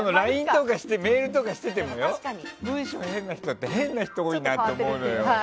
ＬＩＮＥとかメールとかしていても文章が変な人って変な人多いなって思うのよ。